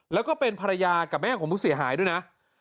แล้วก็เป็นภรรยากับแม่ของผู้เสียหายด้วยนะ